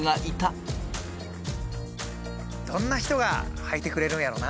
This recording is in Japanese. どんな人がはいてくれるんやろうな。